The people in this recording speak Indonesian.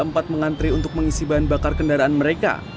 tempat mengantri untuk mengisi bahan bakar kendaraan mereka